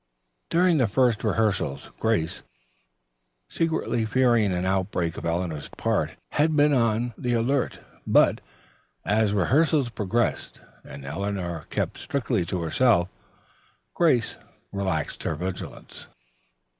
During the first rehearsals Grace, secretly fearing an outbreak on Eleanor's part, had been on the alert, but as rehearsals progressed and Eleanor kept strictly to herself, Grace relaxed her vigilance.